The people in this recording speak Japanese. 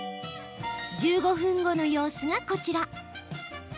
１５分後の様子がこちら。